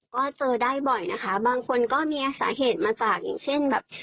ก็เจอได้บ่อยนะคะบางคนก็มีสาเหตุมาจากอย่างเช่นแบบ